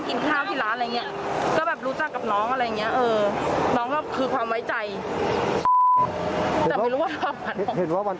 กลับไปลองกลับ